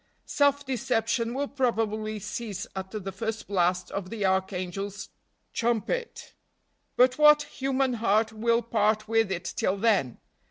Self deception will probably cease at the first blast of the archangel's trumpet. But what human heart will part with it till then?